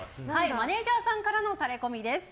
マネジャーさんからのタレコミです。